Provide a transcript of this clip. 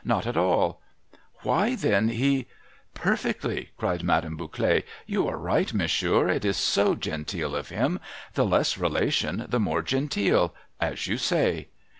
Not at all !' 'Why, then, he '' Perfectly !' cried Madame Bouclet, * you are right, monsieur. It is so genteel of him. The less relation, the more genteel. As you say.'